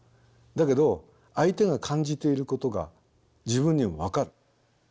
だけど相手が感じていることが自分にも分かる。